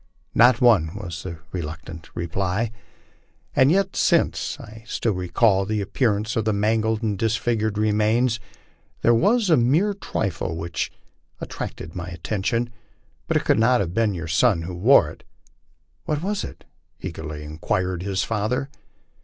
* Not one," was the reluctant reply. " And yet, since I now recall the appearance of the mangled and disfigured remains, there was a mere trifle which attracted my attention, but it could not have been your son who wore it." " What was it?" eagerly inquired the father.